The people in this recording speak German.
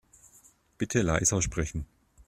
Bitte leiser sprechen.